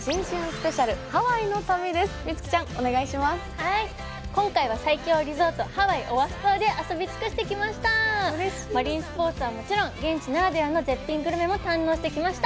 はい今回は最強リゾートハワイオアフ島で遊び尽くしてきました嬉しいマリンスポーツはもちろん現地ならではの絶品グルメも堪能してきました